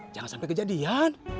jangan sampai kejadian